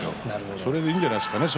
それでいいんじゃないでしょうかね。